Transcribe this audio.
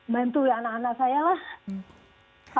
bantu anak anak saya lah